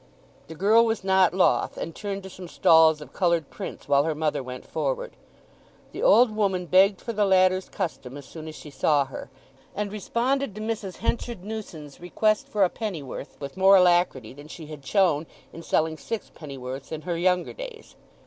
The girl was not loth, and turned to some stalls of coloured prints while her mother went forward. The old woman begged for the latter's custom as soon as she saw her, and responded to Mrs. Henchard Newson's request for a pennyworth with more alacrity than she had shown in selling six pennyworths in her younger days.